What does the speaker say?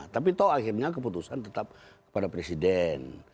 tapi toh akhirnya keputusan tetap kepada presiden